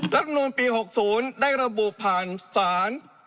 รัฐมนูลปี๖๐ได้ระบุผ่านศาล